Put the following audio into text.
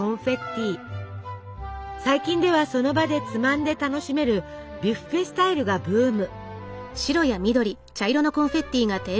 最近ではその場でつまんで楽しめるビュッフェスタイルがブーム。